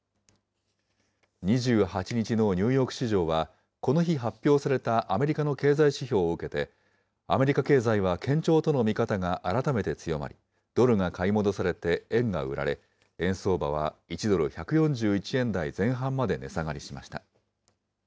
２８日のニューヨーク市場は、この日発表されたアメリカの経済指標を受けて、アメリカ経済は堅調との見方が改めて強まり、ドルが買い戻されて、円が売られ、円相場は１ドル１４１円台前半まで値下がりしました。